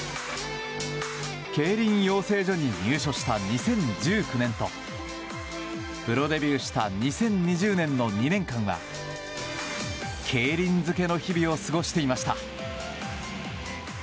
競輪養成所に入所した２０１９年とプロデビューした２０２０年の２年間は競輪漬けの日々を過ごしていました。